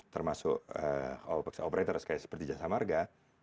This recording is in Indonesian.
termasuk all fax operators seperti jasa marga